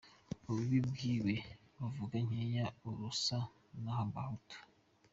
Ububi bwiwe bavuga nkeka aruko asa n’abahutu!!!!!!!!!!!!!!!!!!!!!!